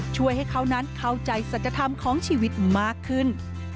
ช่วยให้เขานั้นเข้าใจสัจธรรมของชีวิตมากขึ้น